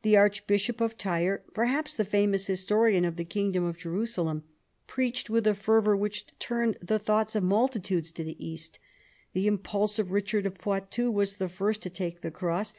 The archbishop of Tyre (perhaps the famous historian of the kingdom of Jerusalem) preached with a fervour which turned the thoughts of multitudes to the East. The impulsive Eichard of Poitou was the first to take the cross.